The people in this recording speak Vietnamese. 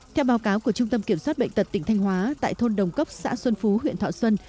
theo báo cáo của trung tâm kiểm soát bệnh tật tỉnh thanh hóa tại thôn đồng cốc xã xuân phú huyện thọ xuân